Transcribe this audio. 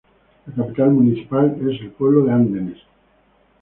La capital municipal es el pueblo de Andenes.